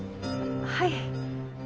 はい。